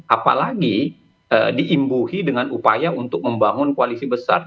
apalagi diimbuhi dengan upaya untuk membangun koalisi besar